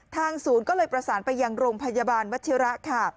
ศูนย์ก็เลยประสานไปยังโรงพยาบาลวัชิระค่ะ